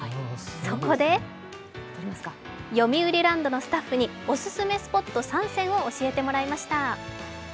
そこでよみうりランドのスタッフにお勧めスポット３選を教えてもらいました。